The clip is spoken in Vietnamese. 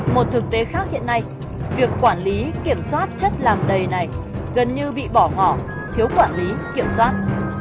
một thực tế khác hiện nay việc quản lý kiểm soát chất làm đầy này gần như bị bỏ ngỏ thiếu quản lý kiểm soát